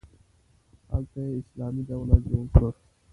هلته یې اسلامي دولت جوړ کړ.